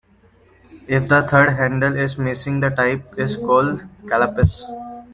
If the third handle is missing, the type is called a "kalpis".